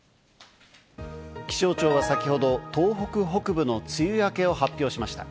気象庁は先ほど、東北北部の梅雨明けを発表しました。